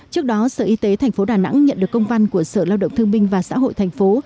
trước đó sở y tế tp đà nẵng nhận được công văn của sở lao động thương minh và xã hội thành phố